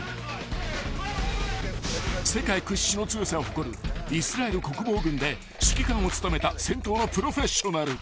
［世界屈指の強さを誇るイスラエル国防軍で指揮官を務めた戦闘のプロフェッショナル］